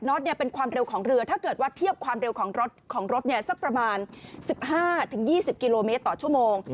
็อตเป็นความเร็วของเรือถ้าเกิดว่าเทียบความเร็วของรถของรถสักประมาณ๑๕๒๐กิโลเมตรต่อชั่วโมง